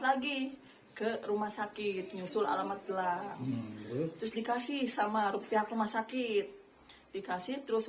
lagi ke rumah sakit nyusul alamat gelap terus dikasih sama rupiah rumah sakit dikasih terus